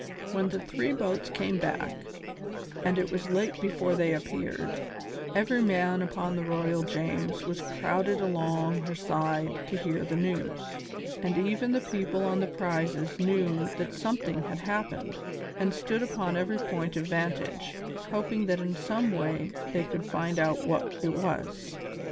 When the three boats came back, and it was late before they appeared, every man upon the Royal James was crowded along her side to hear the news, and even the people on the prizes knew that something had happened, and stood upon every point of vantage, hoping that in some way they could find out what it was.